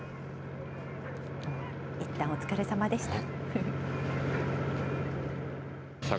いったんお疲れさまでした。